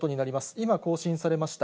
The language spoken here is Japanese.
今、更新されました。